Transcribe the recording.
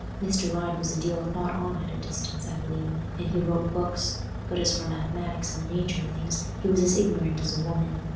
Mr. Ryde was a deal thought on at a distance, I believe, and he wrote books, but as for math'matics and the natur o' things, he was as ignorant as a woman.